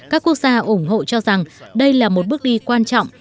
các quốc gia ủng hộ cho rằng đây là một bước đi quan trọng